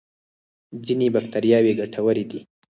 ځینې بکتریاوې ګټورې دي